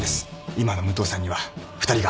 今の武藤さんには２人が。